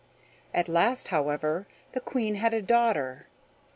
At last, however, the Queen had a daughter.